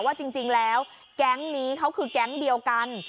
ว่าจริงแล้วแก๊งนี้เขาคือแก๊งเดียวกัน